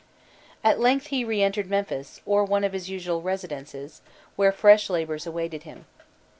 At length he re entered Memphis, or one of his usual residences, where fresh labours awaited him.